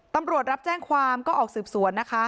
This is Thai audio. รับแจ้งความก็ออกสืบสวนนะคะ